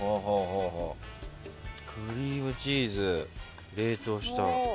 クリームチーズを冷凍した。